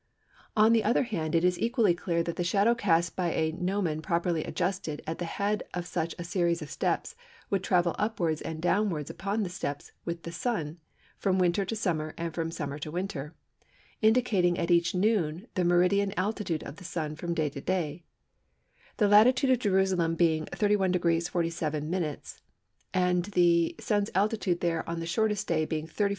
On the other hand, it is equally clear that the shadow cast by a gnomon properly adjusted at the head of such a series of steps would travel upwards and downwards upon the steps "with the Sun," from winter to summer and from summer to winter, indicating at each noon the meridian altitude of the Sun from day to day, the latitude of Jerusalem being 31° 47′, and the Sun's altitude there on the shortest day being 34° 41′.